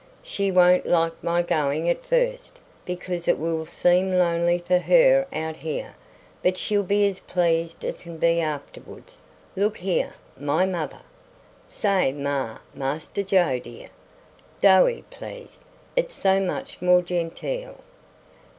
"She won't like my going at first, because it will seem lonely for her out here; but she'll be as pleased as can be afterwards. Look here: my mother " "Say ma, Master Joe, dear. Doey, please; it's so much more genteel."